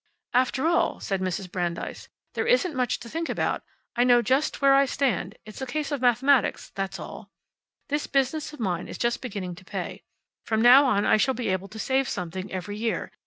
"After all," said Mrs. Brandeis, "there isn't much to think about. I know just where I stand. It's a case of mathematics, that's all. This business of mine is just beginning to pay. From now on I shall be able to save something every year.